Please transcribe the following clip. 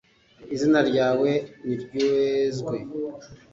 izina ryawe niryezwe